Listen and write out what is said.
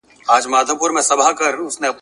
زوی یې غوښتی خیر یې نه غوښتی ,